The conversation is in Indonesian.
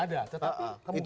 itu pun ada